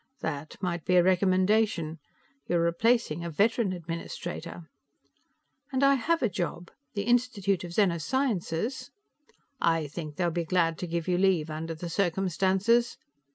"That might be a recommendation. You're replacing a veteran administrator." "And I have a job. The Institute of Zeno Sciences " "I think they'll be glad to give you leave, under the circumstances.